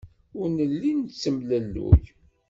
Ur nelli nettemlelluy.